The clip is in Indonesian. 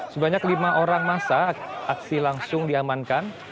sebanyak lima orang masa aksi langsung diamankan